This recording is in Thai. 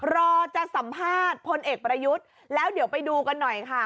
รอจะสัมภาษณ์พลเอกประยุทธ์แล้วเดี๋ยวไปดูกันหน่อยค่ะ